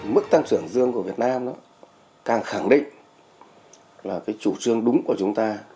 mức tăng trưởng dương của việt nam càng khẳng định là cái chủ trương đúng của chúng ta